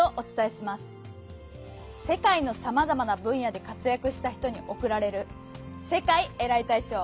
世界のさまざまなぶんやでかつやくした人におくられる「世界エライ大賞」。